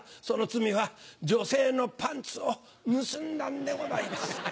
その罪は女性のパンツを盗んだんでございます。